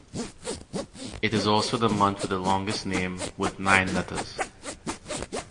It is also the month with the longest name with nine letters.